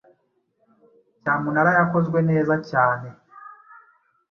cyamunara yakozwe neza cyane